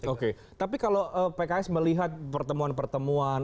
oke tapi kalau pks melihat pertemuan pertemuan